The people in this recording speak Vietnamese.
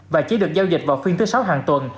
và chỉ được giao dịch vào phiên thứ sáu hàng tuần